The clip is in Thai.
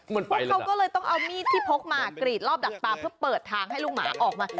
เพราะเขาก็เลยต้องเอามีดที่พกมากรีดรอบดักปลาเพื่อเปิดทางให้ลูกหมาออกมา